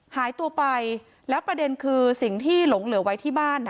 หายตัวไปแล้วประเด็นคือสิ่งที่หลงเหลือไว้ที่บ้าน